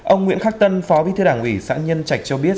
ông nguyễn khắc tân phó bí thư đảng ủy xã nhân trạch cho biết